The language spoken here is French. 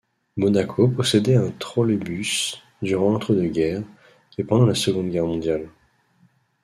Monaco possédait un trolleybus durant l'entre-deux-guerres, et pendant la Seconde Guerre mondiale.